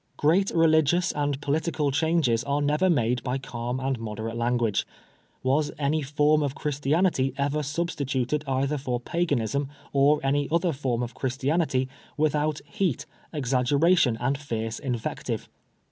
' Great religious and political changes are never made by calm and moderate lan guage. Was any form of Christianity ever substituted either for Paganism or any other form of Christianity without heat, exaggeration, and fierce invective?